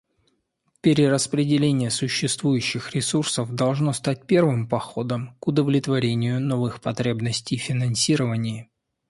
Перераспределение существующих ресурсов должно стать первым походом к удовлетворению новых потребностей в финансировании.